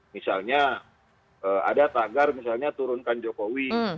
misalnya ada tagar misalnya turunkan jokowi